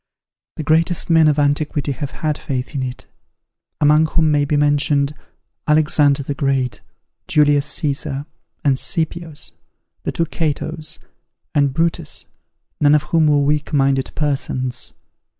The greatest men of antiquity have had faith in it; among whom may be mentioned Alexander the Great, Julius Caesar, the Scipios, the two Catos, and Brutus, none of whom were weak minded persons.